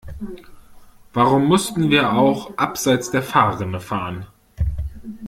Warum mussten wir auch abseits der Fahrrinne fahren?